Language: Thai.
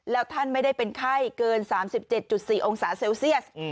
แล้วท่านไม่ได้เป็นไข้เกิน๓๗๔องศาเซลเซียส